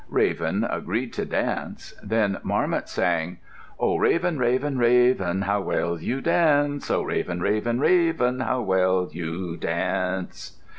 Raven agreed to dance. Then Marmot sang, "Oh, Raven, Raven, Raven, how well you dance! Oh, Raven, Raven, Raven, how well you dance!"